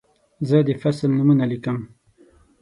زه د فصل نومونه لیکم.